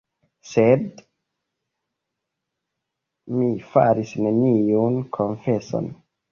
Sed mi faris neniun konfeson.